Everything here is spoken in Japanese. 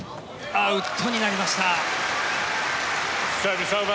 アウトになりました。